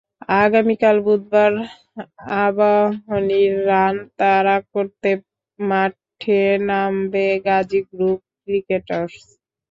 আগামীকাল বুধবার আবাহনীর রান তাড়া করতে মাঠে নামবে গাজী গ্রুপ ক্রিকেটার্স।